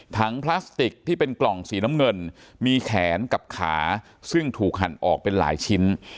พลาสติกที่เป็นกล่องสีน้ำเงินมีแขนกับขาซึ่งถูกหั่นออกเป็นหลายชิ้น